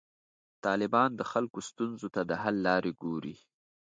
طالبان د خلکو ستونزو ته د حل لارې ګوري.